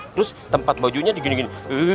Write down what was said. terus tempat bajunya digini gini